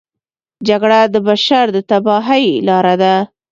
جګړه د بشر د تباهۍ لاره ده